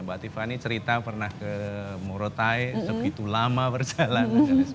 mbak tiffany cerita pernah ke murotai begitu lama berjalan